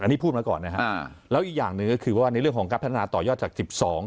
อันนี้พูดมาก่อนนะฮะอ่าแล้วอีกอย่างหนึ่งก็คือว่าในเรื่องของการพัฒนาต่อยอดจากสิบสอง